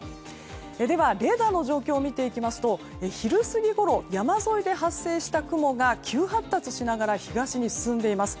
では、レーダーの状況見ていきますと昼過ぎごろ山沿いで発生した雲が急発達しながら東に進んでいます。